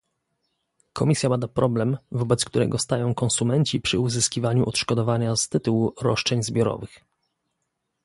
Komisja bada problem, wobec którego stają konsumenci przy uzyskiwaniu odszkodowania z tytułu roszczeń zbiorowych